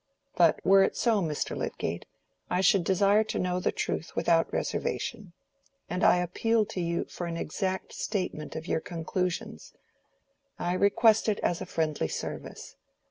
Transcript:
But were it so, Mr. Lydgate, I should desire to know the truth without reservation, and I appeal to you for an exact statement of your conclusions: I request it as a friendly service.